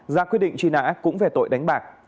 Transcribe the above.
ra quyết định truy nã cũng về tội đánh bạc